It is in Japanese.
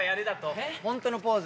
ホントのポーズ。